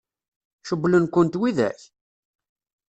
Cewwlen-kent widak?